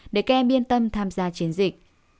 để các em yên tâm tham gia chiến dịch